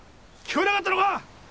聞こえなかったのか？